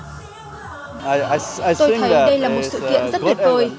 tôi thấy đây là một sự kiện rất tuyệt vời